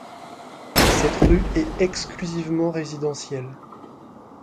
Cette rue est exclusivement résidentielle.